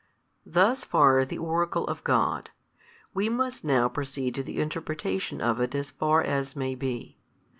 Thus far the oracle of God, we must now proceed to the interpretation of it as far as may be.